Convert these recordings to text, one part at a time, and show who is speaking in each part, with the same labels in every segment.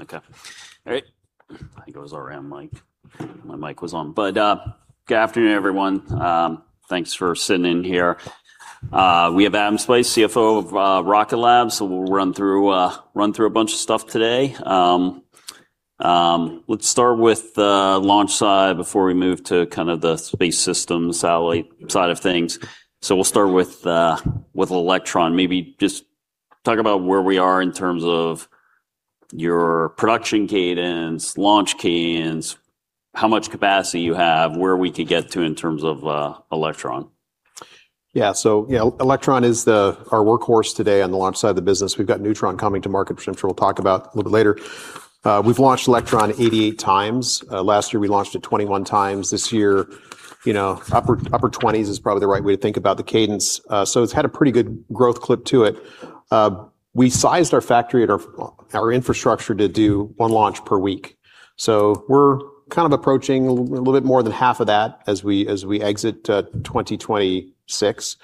Speaker 1: Okay. All right. I think it was our RAM mic. My mic was on. Good afternoon, everyone. Thanks for sitting in here. We have Adam Spice, CFO of Rocket Lab. We'll run through a bunch of stuff today. Let's start with the launch side before we move to the space systems satellite side of things. We'll start with Electron. Maybe just talk about where we are in terms of your production cadence, launch cadence, how much capacity you have, where we could get to in terms of Electron.
Speaker 2: Yeah. Electron is our workhorse today on the launch side of the business. We've got Neutron coming to market, which I'm sure we'll talk about a little bit later. We've launched Electron 88 times. Last year, we launched it 21x. This year, upper 20s is probably the right way to think about the cadence. It's had a pretty good growth clip to it. We sized our factory and our infrastructure to do one launch per week. We're approaching a little bit more than half of that as we exit 2026.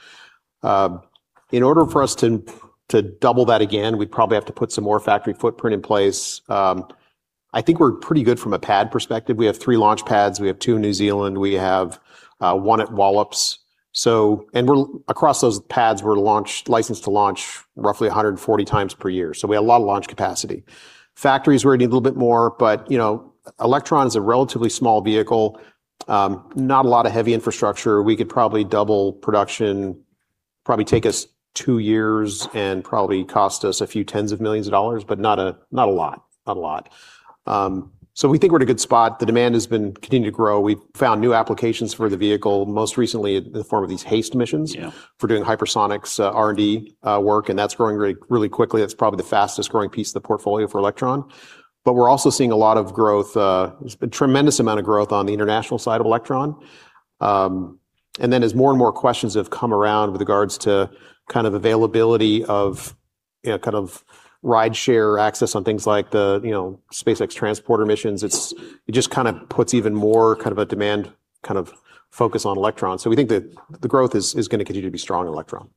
Speaker 2: In order for us to double that again, we'd probably have to put some more factory footprint in place. I think we're pretty good from a pad perspective. We have three launch pads. We have two in New Zealand. We have one at Wallops. Across those pads, we're licensed to launch roughly 140x per year. We have a lot of launch capacity. Factories, we're going to need a little bit more, but Electron is a relatively small vehicle. Not a lot of heavy infrastructure. We could probably double production, probably take us two years, and probably cost us a few tens of millions of dollars, but not a lot. We think we're in a good spot. The demand has been continuing to grow. We've found new applications for the vehicle, most recently in the form of these HASTE missions for doing hypersonics R&D work, that's growing really quickly. That's probably the fastest-growing piece of the portfolio for Electron. We're also seeing a lot of growth, a tremendous amount of growth on the international side of Electron. As more and more questions have come around with regards to kind of availability of rideshare access on things like the SpaceX transporter missions. It just puts even more of a demand focus on Electron. We think that the growth is going to continue to be strong on Electron.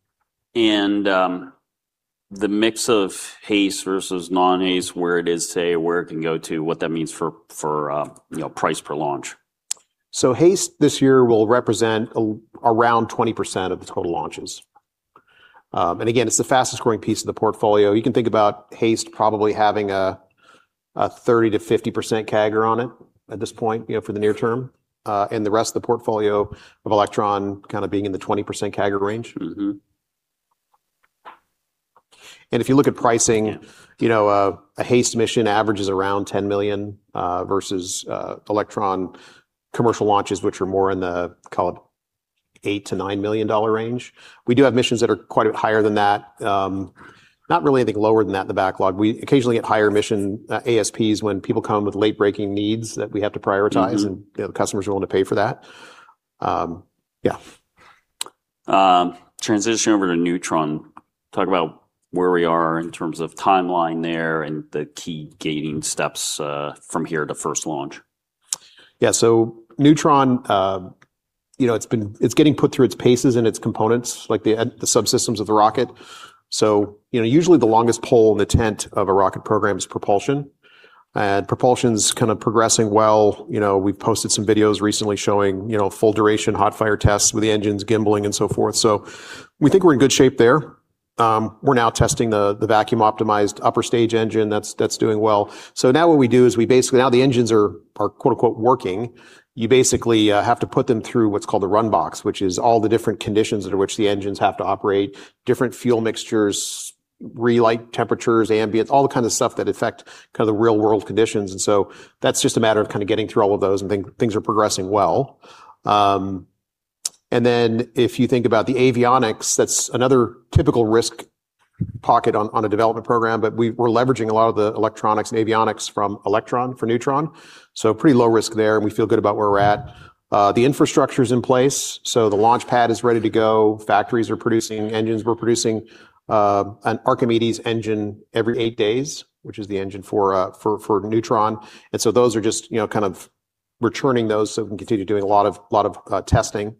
Speaker 1: The mix of HASTE versus non-HASTE, where it is today, where it can go to, what that means for price per launch.
Speaker 2: HASTE this year will represent around 20% of the total launches. Again, it's the fastest-growing piece of the portfolio. You can think about HASTE probably having a 30%-50% CAGR on it at this point, for the near term. The rest of the portfolio of Electron being in the 20% CAGR range. If you look at pricing. A HASTE mission averages around $10 million versus Electron commercial launches, which are more in the, call it, $8 million-$9 million range. We do have missions that are quite a bit higher than that. Not really anything lower than that in the backlog. We occasionally get higher mission ASPs when people come with late-breaking needs that we have to prioritize the customers are willing to pay for that. Yeah.
Speaker 1: Transition over to Neutron. Talk about where we are in terms of timeline there and the key gating steps from here to first launch.
Speaker 2: Yeah. Neutron, it's getting put through its paces in its components, like the subsystems of the rocket. Usually the longest pole in the tent of a rocket program is propulsion, and propulsion's progressing well. We've posted some videos recently showing full-duration hot fire tests with the engines gimbaling and so forth. We think we're in good shape there. We're now testing the vacuum-optimized upper-stage engine. That's doing well. Now what we do is basically, now the engines are, quote-unquote, working. You basically have to put them through what's called a run box, which is all the different conditions under which the engines have to operate, different fuel mixtures, relight temperatures, ambience, all the kind of stuff that affect the real-world conditions. That's just a matter of getting through all of those, and things are progressing well. If you think about the avionics, that's another typical risk pocket on a development program, but we're leveraging a lot of the electronics and avionics from Electron for Neutron. Pretty low risk there, and we feel good about where we're at. The infrastructure's in place, so the launch pad is ready to go. Factories are producing, engines, we're producing an Archimedes engine every eight days, which is the engine for Neutron. Those are just returning those so we can continue doing a lot of testing.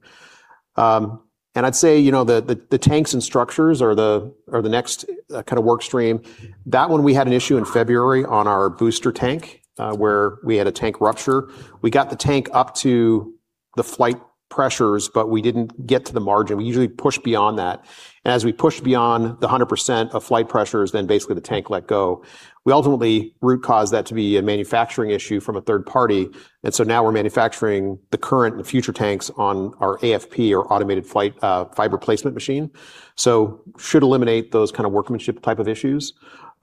Speaker 2: I'd say the tanks and structures are the next work stream. That one, we had an issue in February on our booster tank, where we had a tank rupture. We got the tank up to the flight pressures, but we didn't get to the margin. We usually push beyond that. As we pushed beyond the 100% of flight pressures, then basically the tank let go. We ultimately root-caused that to be a manufacturing issue from a third party, and so now we're manufacturing the current and future tanks on our AFP or automated fiber placement machine. Should eliminate those workmanship type of issues.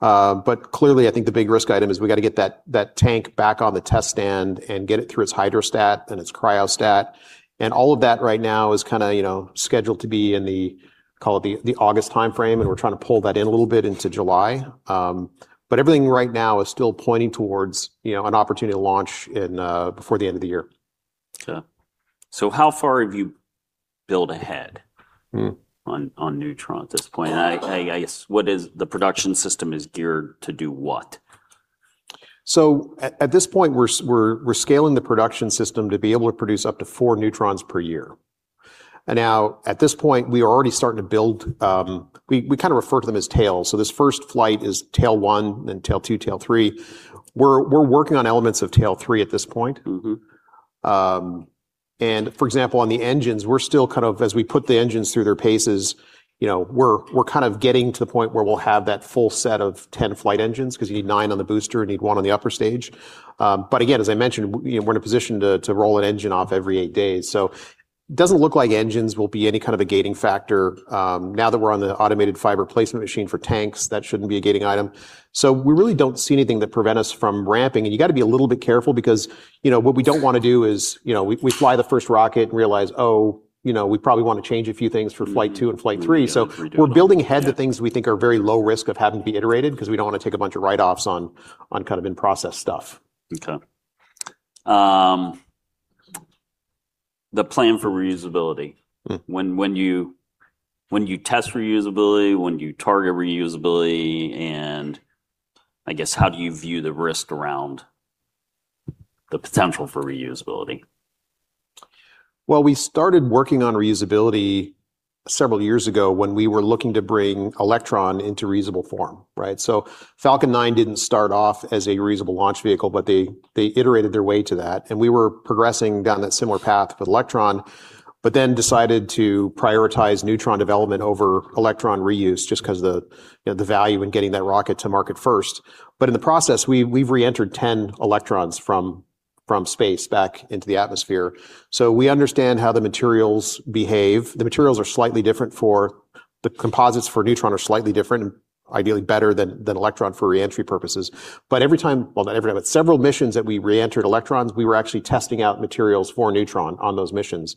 Speaker 2: Clearly, I think the big risk item is we've got to get that tank back on the test stand and get it through its hydrostat and its cryostat. All of that right now is scheduled to be in the, call it, the August timeframe, and we're trying to pull that in a little bit into July. Everything right now is still pointing towards an opportunity to launch before the end of the year.
Speaker 1: Okay. How far have you built ahead? On Neutron at this point? I guess, the production system is geared to do what?
Speaker 2: At this point, we're scaling the production system to be able to produce up to 4 Neutrons per year. Now at this point, we are already starting to build. We kind of refer to them as tails. This first flight is tail 1, then tail 2, tail 3. We're working on elements of tail 3 at this point. For example, on the engines, as we put the engines through their paces, we're getting to the point where we'll have that full set of 10 flight engines, because you need nine on the booster and you need one on the upper stage. Again, as I mentioned, we're in a position to roll an engine off every eight days. Doesn't look like engines will be any kind of a gating factor. Now that we're on the automated fiber placement machine for tanks, that shouldn't be a gating item. We really don't see anything that prevent us from ramping. You've got to be a little bit careful because, what we don't want to do is, we fly the first rocket and realize, oh, we probably want to change a few things for flight 2 and flight 3.
Speaker 1: Redo them. Yeah.
Speaker 2: We're building ahead to things we think are very low risk of having to be iterated, because we don't want to take a bunch of write-offs on in-process stuff.
Speaker 1: Okay. The plan for reusability. When do you test for reusability? When do you target reusability? I guess, how do you view the risk around the potential for reusability?
Speaker 2: We started working on reusability several years ago when we were looking to bring Electron into reusable form, right? Falcon 9 didn't start off as a reusable launch vehicle. They iterated their way to that. We were progressing down that similar path with Electron. Decided to prioritize Neutron development over Electron reuse, just because of the value in getting that rocket to market first. In the process, we've reentered 10 Electrons from space back into the atmosphere. We understand how the materials behave. The composites for Neutron are slightly different and ideally better than Electron for reentry purposes. Several missions that we reentered Electrons, we were actually testing out materials for Neutron on those missions.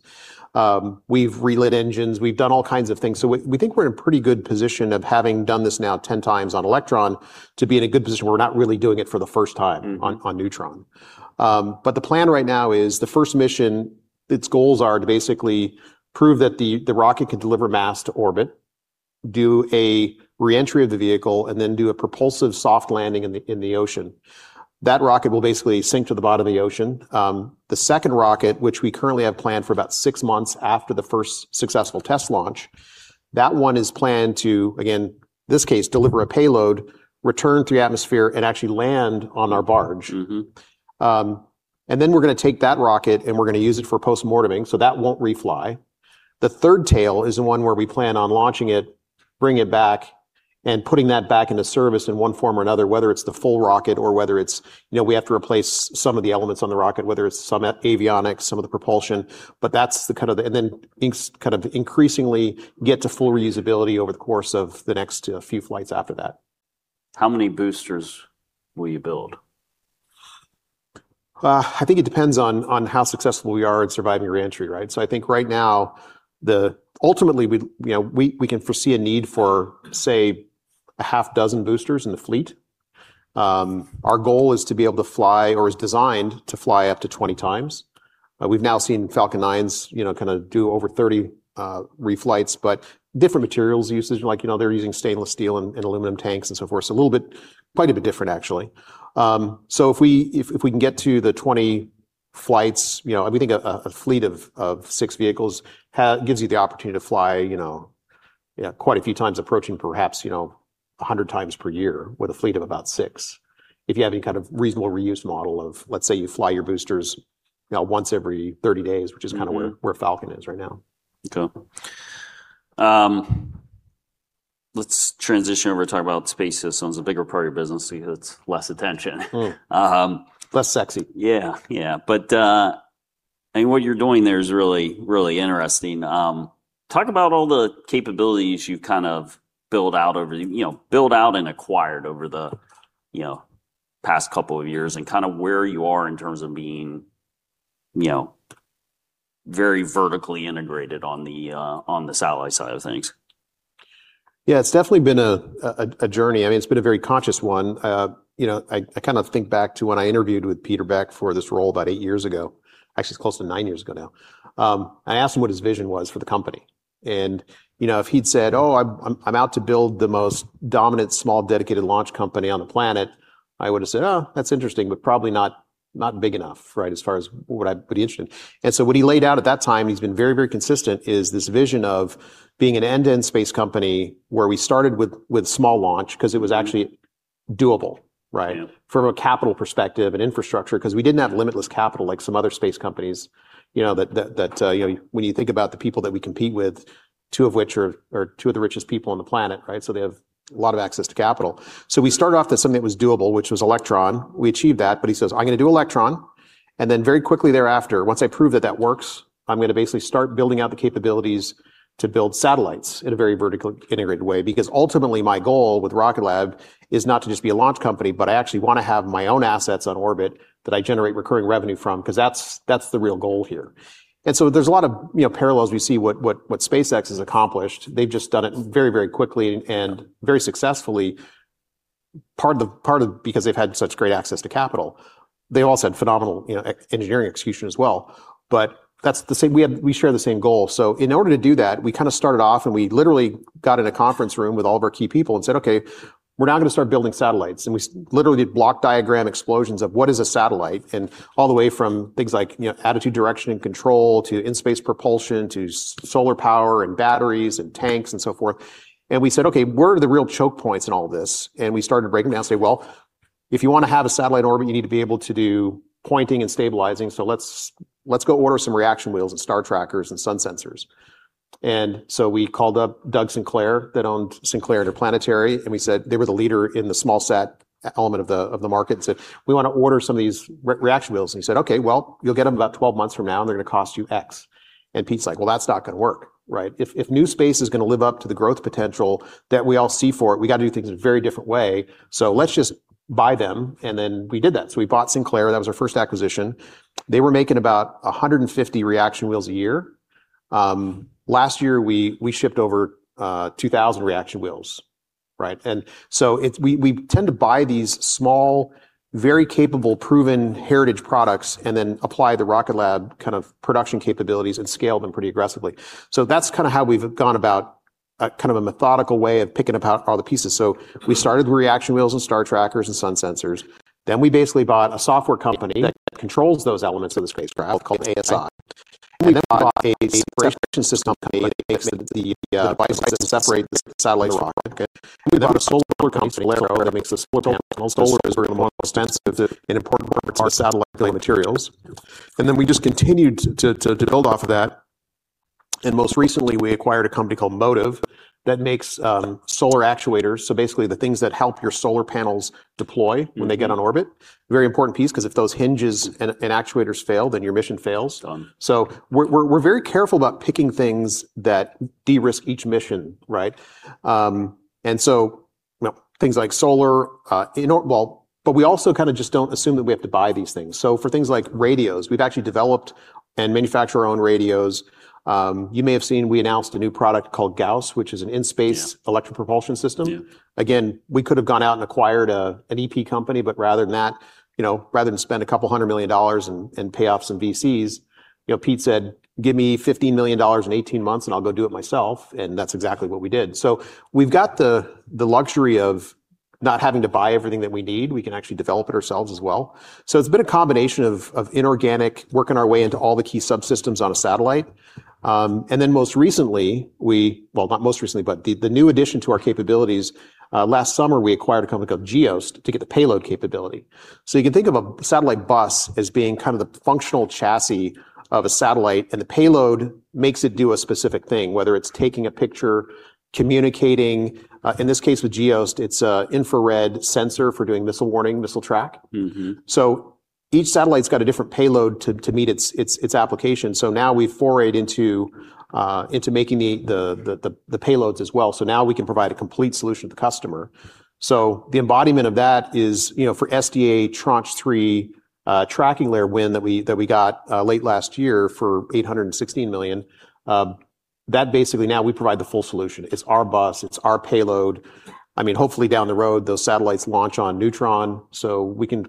Speaker 2: We've relit engines. We've done all kinds of things. We think we're in a pretty good position of having done this now 10x on Electron to be in a good position where we're not really doing it for the first time. On Neutron. The plan right now is the first mission, its goals are to basically prove that the rocket can deliver mass to orbit, do a reentry of the vehicle, and then do a propulsive soft landing in the ocean. That rocket will basically sink to the bottom of the ocean. The second rocket, which we currently have planned for about 6 months after the first successful test launch, that one is planned to, again, in this case, deliver a payload, return through the atmosphere, and actually land on our barge. We're going to take that rocket, and we're going to use it for post-morteming, so that won't refly. The third tail is the one where we plan on launching it, bringing it back, and putting that back into service in one form or another, whether it's the full rocket or whether it's we have to replace some of the elements on the rocket, whether it's some avionics, some of the propulsion. Kind of increasingly get to full reusability over the course of the next few flights after that.
Speaker 1: How many boosters will you build?
Speaker 2: I think it depends on how successful we are at surviving reentry, right? I think right now, ultimately we can foresee a need for, say, a half dozen boosters in the fleet. Our goal is to be able to fly or is designed to fly up to 20x. We've now seen Falcon 9s kind of do over 30 reflights, but different materials usage, like they're using stainless steel and aluminum tanks and so forth. Quite a bit different, actually. If we can get to the 20 flights, we think a fleet of six vehicles gives you the opportunity to fly quite a few times, approaching perhaps 100x per year with a fleet of about six. If you have any kind of reasonable reuse model of, let's say, you fly your boosters now once every 30 days which is kind of where Falcon is right now.
Speaker 1: Okay. Let's transition over and talk about Space Systems, the bigger part of your business, see if it gets less attention.
Speaker 2: Less sexy.
Speaker 1: Yeah. What you're doing there is really interesting. Talk about all the capabilities you've kind of built out and acquired over the past couple of years and kind of where you are in terms of being very vertically integrated on the satellite side of things.
Speaker 2: Yeah, it's definitely been a journey. I mean, it's been a very conscious one. I kind of think back to when I interviewed with Peter Beck for this role about eight years ago. Actually, it's close to nine years ago now. I asked him what his vision was for the company. If he'd said, Oh, I'm out to build the most dominant small dedicated launch company on the planet," I would've said, Oh, that's interesting, but probably not big enough, right, as far as what he interested in. What he laid out at that time, he's been very, very consistent, is this vision of being an end-to-end space company where we started with small launch because it was actually doable. From a capital perspective and infrastructure, because we didn't have limitless capital like some other space companies that when you think about the people that we compete with, two of the richest people on the planet, right? They have a lot of access to capital. We started off with something that was doable, which was Electron. We achieved that, but he says, "I'm going to do Electron, and then very quickly thereafter, once I prove that that works, I'm going to basically start building out the capabilities to build satellites in a very vertically integrated way. Because ultimately my goal with Rocket Lab is not to just be a launch company, but I actually want to have my own assets on orbit that I generate recurring revenue from, because that's the real goal here. There's a lot of parallels. We see what SpaceX has accomplished. They've just done it very, very quickly and very successfully. Partly because they've had such great access to capital. They also had phenomenal engineering execution as well, but we share the same goal. In order to do that, we kind of started off and we literally got in a conference room with all of our key people and said, Okay, we're now going to start building satellites. We literally did block diagram explosions of what is a satellite, and all the way from things like attitude direction and control, to in-space propulsion, to solar power, and batteries, and tanks, and so forth. We said, Okay, where are the real choke points in all of this? We started breaking them down and say, well, if you want to have a satellite orbit, you need to be able to do pointing and stabilizing, so let's go order some reaction wheels and star trackers and sun sensors. We called up Doug Sinclair, that owned Sinclair Interplanetary. They were the leader in the smallsat element of the market, and said, "We want to order some of these reaction wheels. He said, Okay, well, you'll get them about 12 months from now and they're going to cost you X. Pete's like, well, that's not going to work. Right? If new space is going to live up to the growth potential that we all see for it, we've got to do things in a very different way. Let's just buy them, and then we did that. We bought Sinclair. That was our first acquisition. They were making about 150 reaction wheels a year. Last year, we shipped over 2,000 reaction wheels, right? We tend to buy these small, very capable, proven heritage products and then apply the Rocket Lab kind of production capabilities and scale them pretty aggressively. That's kind of how we've gone about kind of a methodical way of picking apart all the pieces. We started with reaction wheels and star trackers and sun sensors. We basically bought a software company that controls those elements of the spacecraft called ASI. We bought a separation system company that makes the devices that separate the satellite from the rocket. We bought a solar company called SolAero that makes the solar panels. Solar is one of the most expensive and important parts of a satellite: the materials. We just continued to build off of that. Most recently, we acquired a company called Motiv that makes solar actuators, so basically the things that help your solar panels deploy when they get on orbit. Very important piece, because if those hinges and actuators fail, then your mission fails.
Speaker 1: Done.
Speaker 2: We're very careful about picking things that de-risk each mission. Right? Things like solar, but we also kind of just don't assume that we have to buy these things. For things like radios, we've actually developed and manufacture our own radios. You may have seen, we announced a new product called Gauss, which is an in-space electric propulsion system. We could have gone out and acquired an EP company, rather than that, rather than spend a couple of hundred million dollars and pay off some VCs, Pete said, give me $15 million in 18 months and I'll go do it myself, that's exactly what we did. We've got the luxury of not having to buy everything that we need. We can actually develop it ourselves as well. It's been a combination of inorganic, working our way into all the key subsystems on a satellite. Most recently we, well, not most recently, but the new addition to our capabilities, last summer, we acquired a company called Geost to get the payload capability. You can think of a satellite bus as being kind of the functional chassis of a satellite, and the payload makes it do a specific thing, whether it's taking a picture, communicating. In this case, with Geost, it's an infrared sensor for doing missile warning, missile track. Each satellite's got a different payload to meet its application. Now we've forayed into making the payloads as well. Now we can provide a complete solution to the customer. The embodiment of that is for SDA Tranche 3, tracking layer win that we got late last year for $816 million. That basically now we provide the full solution. It's our bus, it's our payload. Hopefully down the road, those satellites launch on Neutron, so we can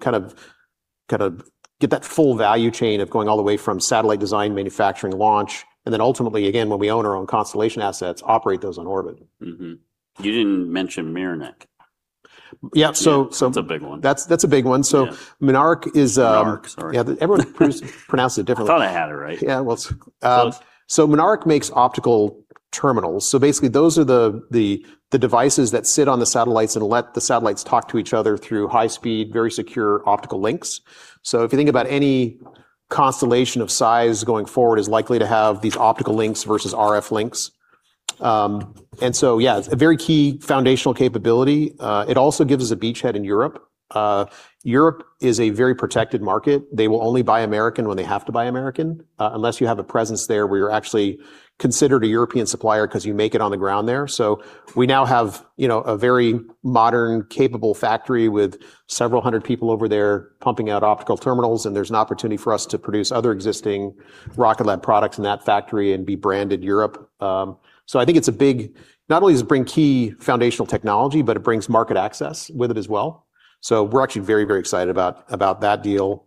Speaker 2: kind of get that full value chain of going all the way from satellite design, manufacturing, launch, and then ultimately, again, when we own our own constellation assets, operate those on orbit.
Speaker 1: You didn't mention Mynaric.
Speaker 2: Yeah.
Speaker 1: That's a big one.
Speaker 2: That's a big one.
Speaker 1: Yeah.
Speaker 2: Mynaric.
Speaker 1: Mynaric. Sorry.
Speaker 2: Yeah. Everyone pronounces it differently.
Speaker 1: I thought I had it right.
Speaker 2: Mynaric makes optical terminals. Basically those are the devices that sit on the satellites and let the satellites talk to each other through high-speed, very secure optical links. If you think about any constellation of size going forward is likely to have these optical links versus RF links. It's a very key foundational capability. It also gives us a beachhead in Europe. Europe is a very protected market. They will only buy American when they have to buy American. Unless you have a presence there where you're actually considered a European supplier because you make it on the ground there. We now have a very modern, capable factory with several hundred people over there pumping out optical terminals, and there's an opportunity for us to produce other existing Rocket Lab products in that factory and be branded Europe. I think not only does it bring key foundational technology, but it brings market access with it as well. We're actually very, very excited about that deal.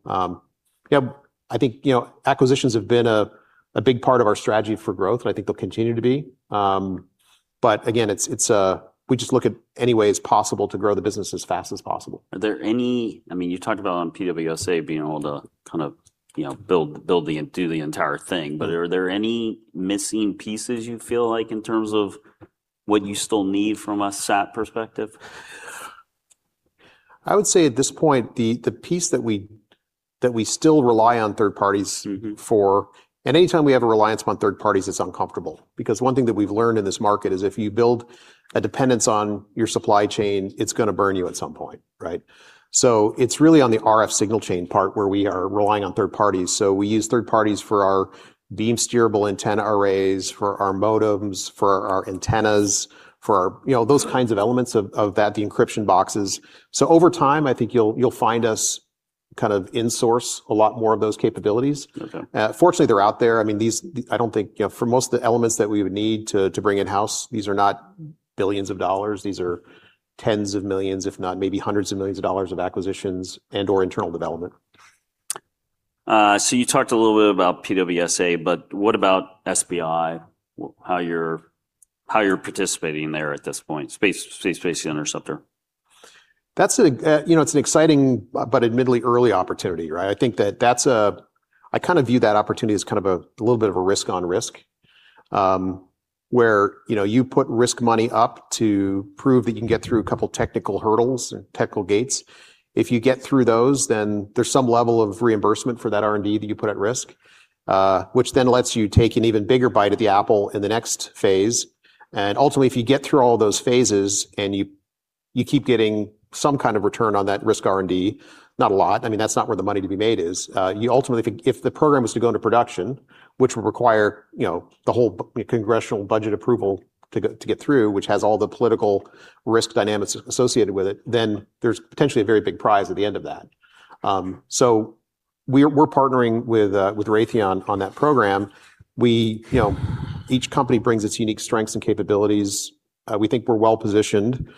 Speaker 2: I think acquisitions have been a big part of our strategy for growth, and I think they'll continue to be. Again, we just look at any way it's possible to grow the business as fast as possible.
Speaker 1: Are there any, you talked about on PWSA being able to kind of do the entire thing, are there any missing pieces you feel like in terms of what you still need from a sat perspective?
Speaker 2: I would say at this point, the piece that we still rely on third parties for, anytime we have a reliance upon third parties, it's uncomfortable. One thing that we've learned in this market is if you build a dependence on your supply chain, it's going to burn you at some point, right? It's really on the RF signal chain part where we are relying on third parties. We use third parties for our beam steerable antenna arrays, for our modems, for our antennas, for those kinds of elements of that, the encryption boxes. Over time, I think you'll find us kind of in-source a lot more of those capabilities.
Speaker 1: Okay.
Speaker 2: Fortunately, they're out there. For most of the elements that we would need to bring in-house, these are not billions of dollars. These are tens of millions dollars, if not maybe hundreds of millions of dollars of acquisitions and/or internal development.
Speaker 1: You talked a little bit about PWSA, but what about SBI? How you're participating there at this point, space-based interceptor.
Speaker 2: It's an exciting but admittedly early opportunity, right? I kind of view that opportunity as a little bit of a risk on risk, where you put risk money up to prove that you can get through a couple technical hurdles or technical gates. If you get through those, there's some level of reimbursement for that R&D that you put at risk, which then lets you take an even bigger bite at the apple in the next phase. Ultimately, if you get through all those phases, and you keep getting some kind of return on that risk R&D. Not a lot. That's not where the money to be made is. Ultimately, if the program was to go into production, which would require the whole congressional budget approval to get through, which has all the political risk dynamics associated with it, there's potentially a very big prize at the end of that. We're partnering with Raytheon on that program. Each company brings its unique strengths and capabilities. We think we're well-positioned.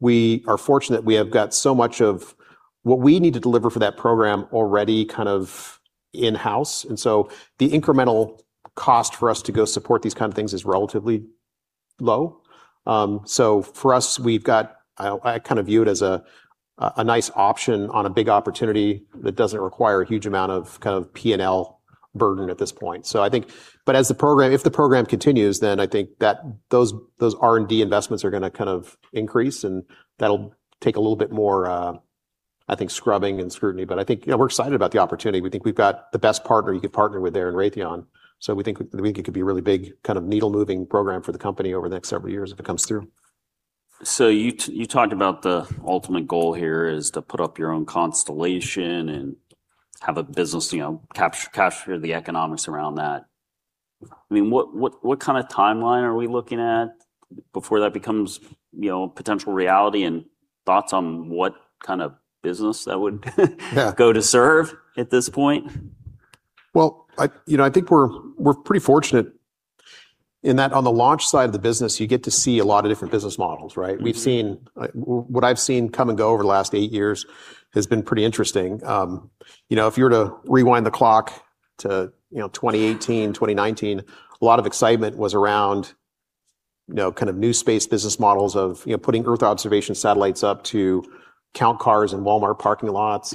Speaker 2: We are fortunate we have got so much of what we need to deliver for that program already kind of in-house. The incremental cost for us to go support these kind of things is relatively low. For us, I kind of view it as a nice option on a big opportunity that doesn't require a huge amount of P&L burden at this point. If the program continues, I think those R&D investments are going to increase, and that'll take a little bit more scrubbing and scrutiny. We're excited about the opportunity. We think we've got the best partner you could partner with there in Raytheon. We think it could be a really big kind of needle-moving program for the company over the next several years if it comes through.
Speaker 1: You talked about the ultimate goal here is to put up your own constellation and have a business, capture the economics around that. What kind of timeline are we looking at before that becomes potential reality? Thoughts on what kind of business that would go to serve at this point?
Speaker 2: Well, I think we're pretty fortunate in that on the Launch Services side of the business, you get to see a lot of different business models, right? What I've seen come and go over the last eight years has been pretty interesting. If you were to rewind the clock to 2018, 2019, a lot of excitement was around new space business models of putting Earth observation satellites up to count cars in Walmart parking lots.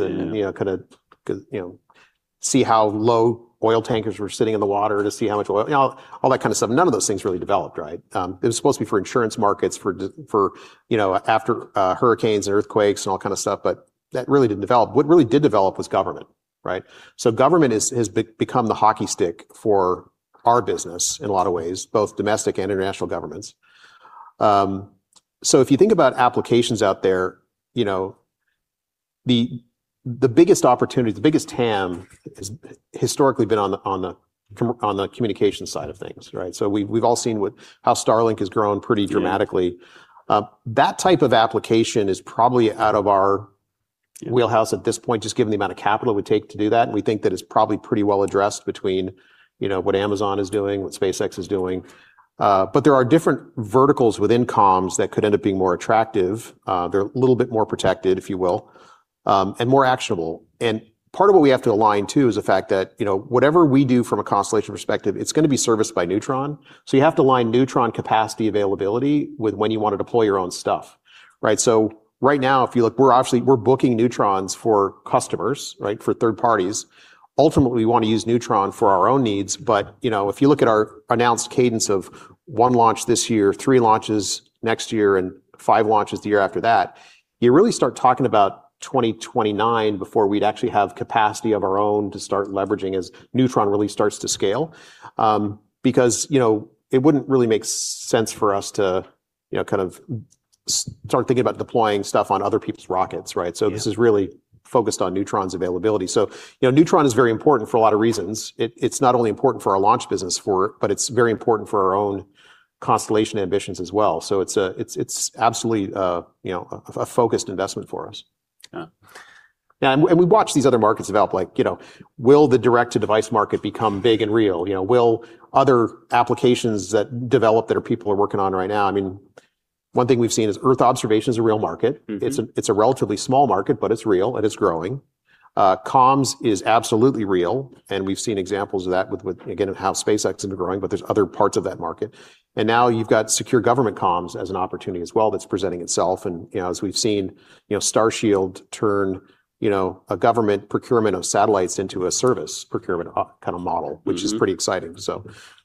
Speaker 2: See how low oil tankers were sitting in the water to see how much oil. All that kind of stuff. None of those things really developed, right? It was supposed to be for insurance markets, after hurricanes, earthquakes, and all kind of stuff, but that really didn't develop. What really did develop was government, right? Government has become the hockey stick for our business in a lot of ways, both domestic and international governments. If you think about applications out there, the biggest opportunity, the biggest TAM, has historically been on the communication side of things, right? We've all seen how Starlink has grown pretty dramatically. That type of application is probably out of our wheelhouse at this point, just given the amount of capital it would take to do that, and we think that it's probably pretty well addressed between what Amazon is doing, what SpaceX is doing. There are different verticals within comms that could end up being more attractive. They're a little bit more protected, if you will. More actionable. Part of what we have to align, too, is the fact that whatever we do from a constellation perspective, it's going to be serviced by Neutron. You have to align Neutron capacity availability with when you want to deploy your own stuff, right? Right now, if you look, we're booking Neutrons for customers. Right? For third parties. Ultimately, we want to use Neutron for our own needs, but if you look at our announced cadence of one launch this year, three launches next year, and five launches the year after that, you really start talking about 2029 before we'd actually have capacity of our own to start leveraging as Neutron really starts to scale. It wouldn't really make sense for us to start thinking about deploying stuff on other people's rockets, right? This is really focused on Neutron's availability. Neutron is very important for a lot of reasons. It's not only important for our Launch Services business, but it's very important for our own constellation ambitions as well. It's absolutely a focused investment for us. We watch these other markets develop, like will the direct-to-device market become big and real? Will other applications that develop that our people are working on right now. One thing we've seen is Earth observation is a real market. It's a relatively small market, but it's real, and it's growing. Comms is absolutely real, and we've seen examples of that with, again, how SpaceX has been growing, but there's other parts of that market. Now you've got secure government comms as an opportunity as well that's presenting itself and, as we've seen Starshield turn a government procurement of satellites into a service procurement kind of model. Which is pretty exciting.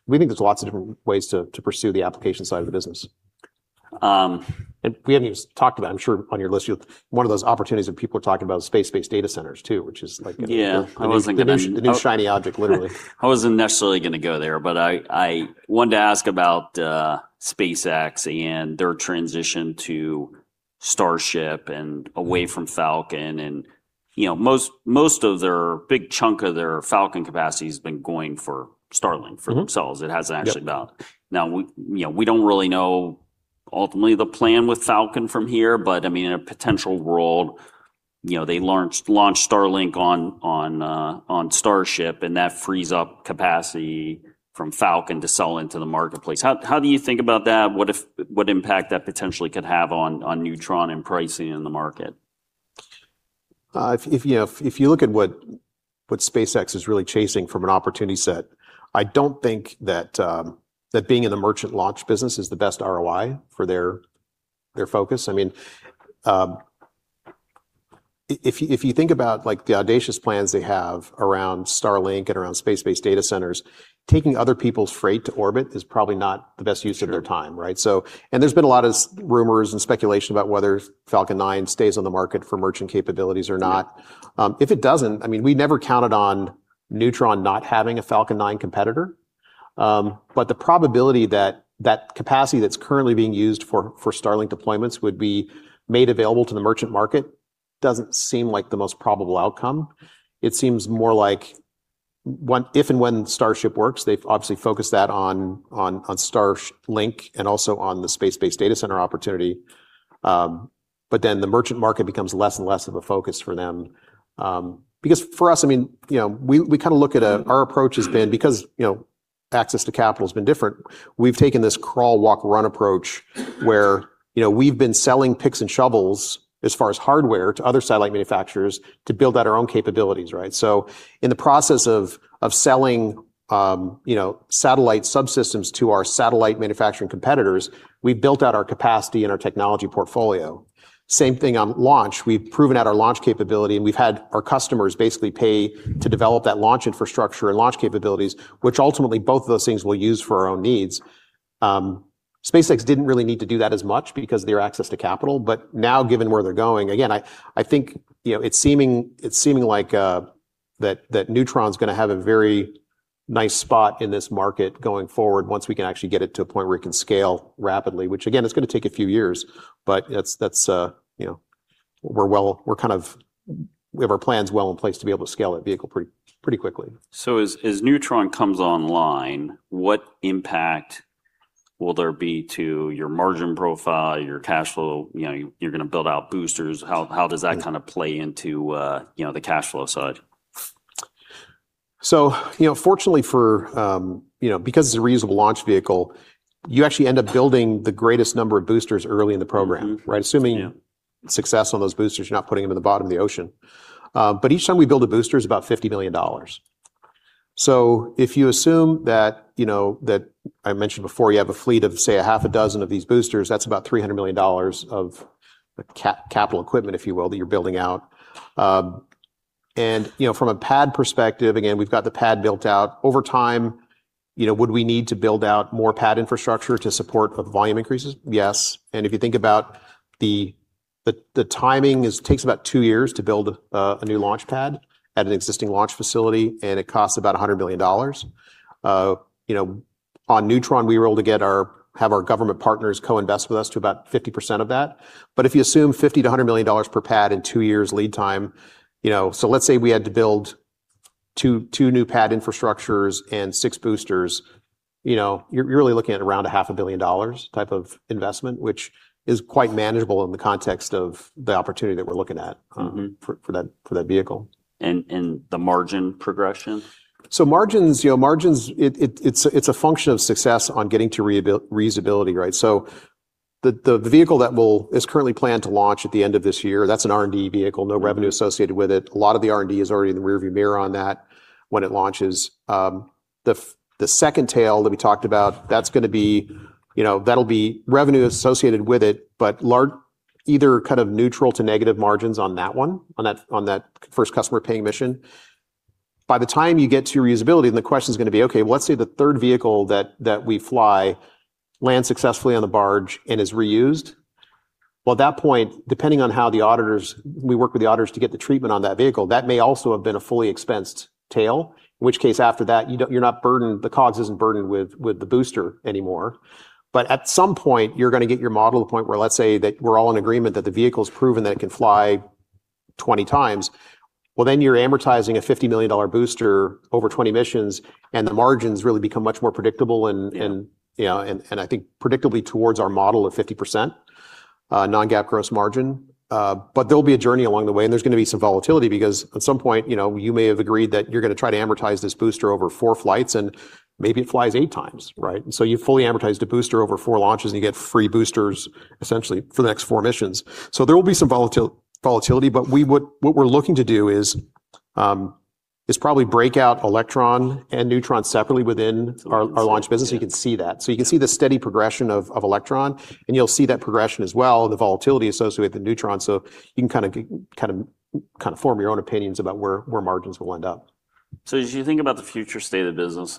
Speaker 2: We think there's lots of different ways to pursue the application side of the business. We haven't even talked about, I'm sure on your list, one of those opportunities that people are talking about is space-based data centers, too.
Speaker 1: Yeah.
Speaker 2: The new shiny object, literally.
Speaker 1: I wasn't necessarily going to go there, but I wanted to ask about SpaceX and their transition to Starship and away from Falcon, and most of their big chunk of their Falcon capacity has been going for Starlink for themselves. It hasn't actually been.
Speaker 2: Yeah.
Speaker 1: We don't really know ultimately the plan with Falcon from here, but in a potential world, they launch Starlink on Starship, and that frees up capacity from Falcon to sell into the marketplace. How do you think about that? What impact that potentially could have on Neutron and pricing in the market?
Speaker 2: If you look at what SpaceX is really chasing from an opportunity set, I don't think that being in the merchant launch business is the best ROI for their focus. If you think about the audacious plans they have around Starlink and around space-based data centers, taking other people's freight to orbit is probably not the best use of their time, right?
Speaker 1: Sure.
Speaker 2: There's been a lot of rumors and speculation about whether Falcon 9 stays on the market for merchant capabilities or not. If it doesn't, we never counted on Neutron not having a Falcon 9 competitor. The probability that that capacity that's currently being used for Starlink deployments would be made available to the merchant market doesn't seem like the most probable outcome. It seems more like if and when Starship works, they've obviously focused that on Starlink and also on the space-based data center opportunity. The merchant market becomes less and less of a focus for them. For us, our approach has been, because access to capital's been different, we've taken this crawl, walk, run approach where we've been selling picks and shovels as far as hardware to other satellite manufacturers to build out our own capabilities. In the process of selling satellite subsystems to our satellite manufacturing competitors, we've built out our capacity and our technology portfolio. Same thing on launch. We've proven out our launch capability, and we've had our customers basically pay to develop that launch infrastructure and launch capabilities, which ultimately both of those things we'll use for our own needs. SpaceX didn't really need to do that as much because of their access to capital, but now given where they're going, again, I think it's seeming like that Neutron's going to have a very nice spot in this market going forward once we can actually get it to a point where it can scale rapidly. Which again, it's going to take a few years, but we have our plans well in place to be able to scale that vehicle pretty quickly.
Speaker 1: As Neutron comes online, what impact will there be to your margin profile, your cash flow? You're going to build out boosters. How does that play into the cash flow side?
Speaker 2: Fortunately, because it's a reusable launch vehicle, you actually end up building the greatest number of boosters early in the program.
Speaker 1: Yeah.
Speaker 2: Assuming success on those boosters, you're not putting them in the bottom of the ocean. Each time we build a booster, it's about $50 million. If you assume that, I mentioned before, you have a fleet of, say, a half a dozen of these boosters, that's about $300 million of capital equipment, if you will, that you're building out. From a pad perspective, again, we've got the pad built out. Over time, would we need to build out more pad infrastructure to support the volume increases?
Speaker 1: Yes.
Speaker 2: If you think about the timing, it takes about two years to build a new launch pad at an existing launch facility, and it costs about $100 million. On Neutron, we were able to have our government partners co-invest with us to about 50% of that. If you assume $50 million-$100 million per pad and two years lead time, so let's say we had to build two new pad infrastructures and six boosters, you're really looking at around $0.5 billion type of investment, which is quite manageable in the context of the opportunity that we're looking at for that vehicle.
Speaker 1: The margin progression?
Speaker 2: Margins, it's a function of success on getting to reusability, right? The vehicle that is currently planned to launch at the end of this year, that's an R&D vehicle. No revenue associated with it. A lot of the R&D is already in the rear-view mirror on that when it launches. The second tail that we talked about, that'll be revenue associated with it, but either kind of neutral to negative margins on that one, on that first customer-paying mission. By the time you get to reusability, then the question's going to be, okay, well let's say the third vehicle that we fly lands successfully on the barge and is reused. Well, at that point, depending on how we work with the auditors to get the treatment on that vehicle, that may also have been a fully expensed tail. In which case, after that, the COGS isn't burdened with the booster anymore. At some point, you're going to get your model to the point where let's say that we're all in agreement that the vehicle's proven that it can fly 20x. Then you're amortizing a $50 million booster over 20 missions, and the margins really become much more predictable, and I think predictably towards our model of 50% non-GAAP gross margin. There'll be a journey along the way, and there's going to be some volatility because at some point, you may have agreed that you're going to try to amortize this booster over four flights, and maybe it flies 8x, right? You fully amortized a booster over four launches, and you get free boosters essentially for the next four missions. There will be some volatility, but what we're looking to do is probably break out Electron and Neutron separately within our Launch Services. You can see that. You can see the steady progression of Electron, and you'll see that progression as well, the volatility associated with the Neutron. You can form your own opinions about where margins will end up.
Speaker 1: As you think about the future state of the business,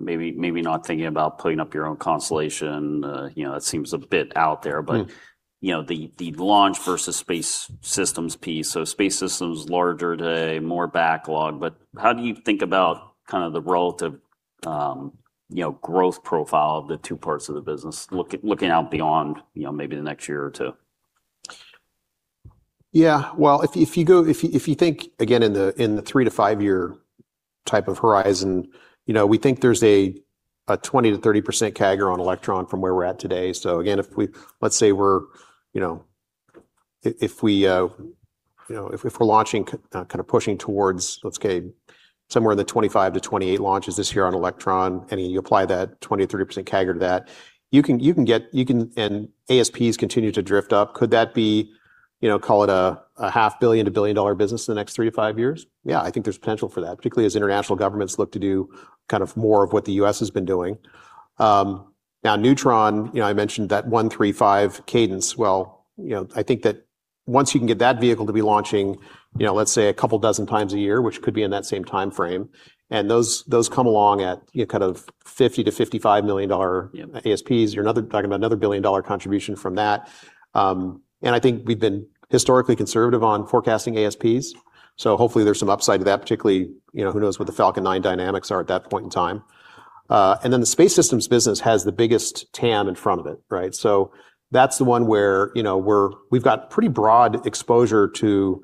Speaker 1: maybe not thinking about putting up your own constellation. That seems a bit out there, but the Launch Services versus Space Systems piece. Space Systems larger today, more backlog, but how do you think about the relative growth profile of the two parts of the business, looking out beyond maybe the next year or two?
Speaker 2: Well, if you think, again, in the three- to five-year type of horizon, we think there's a 20%-30% CAGR on Electron from where we're at today. Again, let's say if we're launching, pushing towards, let's say somewhere in the 25-28 launches this year on Electron, and you apply that 20%-30% CAGR to that, and ASPs continue to drift up. Could that be, call it a half billion to billion-dollar business in the next three to five years? Yeah, I think there's potential for that, particularly as international governments look to do more of what the U.S. has been doing. Now, Neutron, I mentioned that 135 cadence. Well, I think that once you can get that vehicle to be launching, let's say a couple dozen times a year, which could be in that same timeframe, and those come along at kind of $50 million-$55 million. ASPs. You're talking about another billion-dollar contribution from that. I think we've been historically conservative on forecasting ASPs, hopefully there's some upside to that, particularly, who knows what the Falcon 9 dynamics are at that point in time. The Space Systems business has the biggest TAM in front of it, right? That's the one where we've got pretty broad exposure to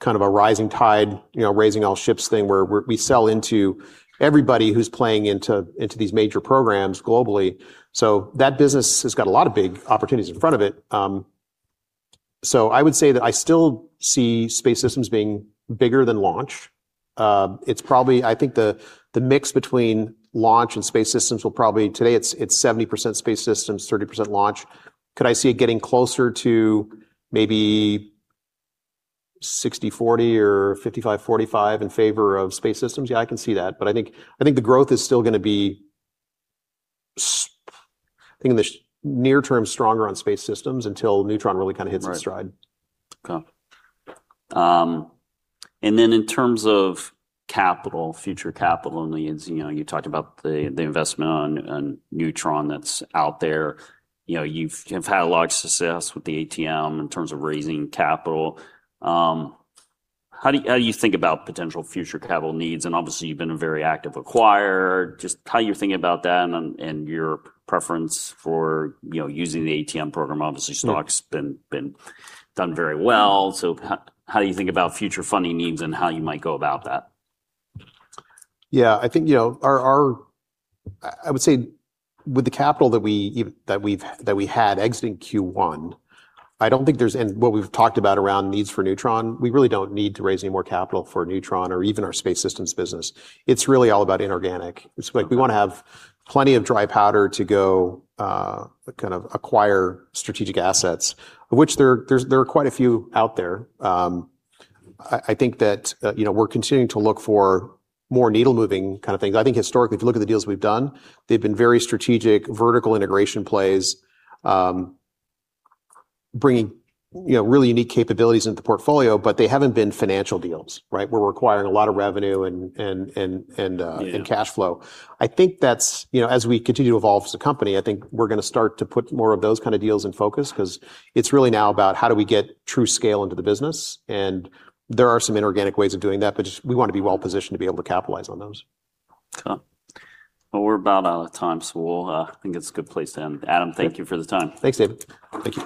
Speaker 2: kind of a rising tide, raising all ships thing, where we sell into everybody who's playing into these major programs globally. That business has got a lot of big opportunities in front of it. I would say that I still see Space Systems being bigger than Launch. I think the mix between Launch and Space Systems will probably. Today, it's 70% Space Systems, 30% Launch. Could I see it getting closer to maybe 60/40 or 55/45 in favor of Space Systems? Yeah, I can see that, but I think the growth is still going to be, I think in the near term, stronger on Space Systems until Neutron really kind of hits its stride.
Speaker 1: Okay. Then in terms of capital, future capital needs, you talked about the investment on Neutron that's out there. You've had a lot of success with the ATM in terms of raising capital. How do you think about potential future capital needs? Obviously, you've been a very active acquirer, just how you're thinking about that and your preference for using the ATM program. The stock's been done very well. How do you think about future funding needs and how you might go about that?
Speaker 2: Yeah, I would say with the capital that we had exiting Q1, and what we've talked about around needs for Neutron, we really don't need to raise any more capital for Neutron or even our Space Systems business. It's really all about inorganic. It's like we want to have plenty of dry powder to go acquire strategic assets. Of which there are quite a few out there. I think that we're continuing to look for more needle-moving kind of things. I think historically, if you look at the deals we've done, they've been very strategic, vertical integration plays, bringing really unique capabilities into the portfolio, but they haven't been financial deals. Where we're acquiring a lot of revenue and cash flow. I think as we continue to evolve as a company, I think we're going to start to put more of those kind of deals in focus, because it's really now about how do we get true scale into the business, and there are some inorganic ways of doing that. We want to be well-positioned to be able to capitalize on those.
Speaker 1: Okay. Well, we're about out of time. I think it's a good place to end. Adam, thank you for the time.
Speaker 2: Thanks, David. Thank you.